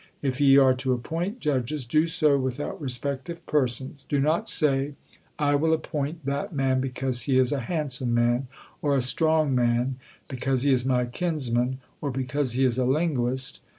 If ye are to appoint judges, do so without respect of persons. Do not say 'I will appoint that man because he is a handsome man or a strong man, because he is my kinsman, or because he is a linguist.'